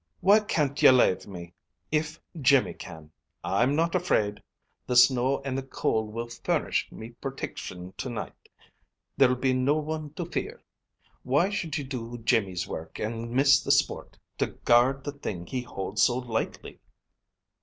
"Why can't you lave me, if Jimmy can? I'm not afraid. The snow and the cold will furnish me protiction to night. There'll be no one to fear. Why should you do Jimmy's work, and miss the sport, to guard the thing he holds so lightly?"